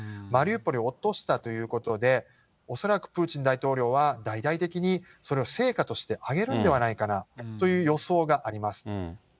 マリウポリを落としたということで、恐らくプーチン大統領は大々的にそれを成果として上げるんではないかなという予想があります。